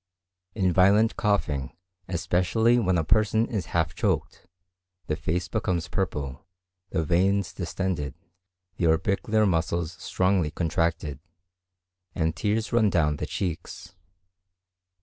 In violent coughing especially when a person is half choked, the face becomes purple, the veins distended, the orbicular muscles strongly contracted, and tears run down the cheeks.